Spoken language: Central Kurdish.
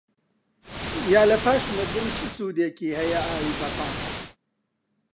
یا لە پاش مردن چ سوودێکی هەیە ئاوی بەقا؟